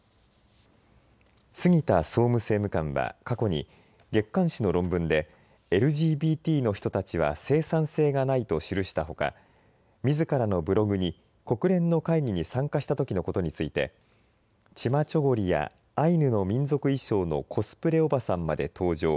杉田総務政務官は過去に月刊誌の論文でＬＧＢＴの人たちは生産性がないと記したほかみずからのブログに国連の会議に参加したときのことについてチマチョゴリやアイヌの民族衣装のコスプレおばさんまで登場。